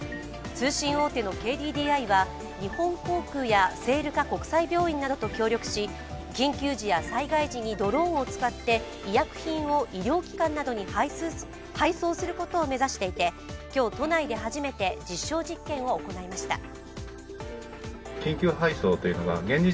通信大手のＫＤＤＩは日本航空や聖路加国際病院などと協力し、緊急時や災害時にドローンを使って医療品を医療機関などに配送することを目指していて今日、都内で初めて実証実験を行いました。